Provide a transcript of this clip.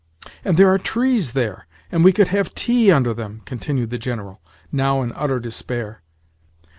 "And there are trees there, and we could have tea under them," continued the General—now in utter despair.